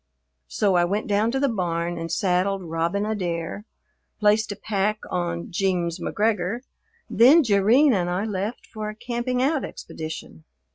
So I went down to the barn and saddled Robin Adair, placed a pack on "Jeems McGregor," then Jerrine and I left for a camping out expedition.